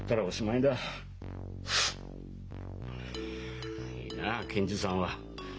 いいなあ検事さんは。